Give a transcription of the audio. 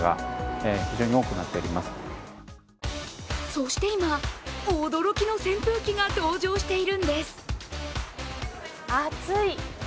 そして今、驚きの扇風機が登場しているんです。